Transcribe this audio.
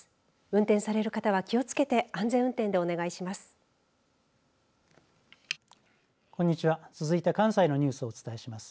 運転される方は、気をつけて安全運転でお願いします。